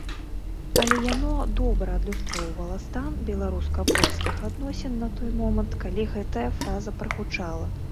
Але яно добра адлюстроўвала стан беларуска-польскіх адносін на той момант, калі гэтая фраза прагучала.